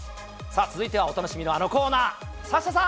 続いてはお楽しみのあのコーナー、サッシャさん。